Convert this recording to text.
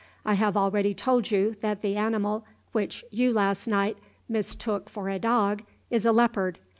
I have already told you that the animal which you last night mistook for a dog is a leopard.